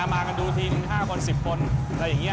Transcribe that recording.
มากันดูทีม๕คน๑๐คนอะไรอย่างนี้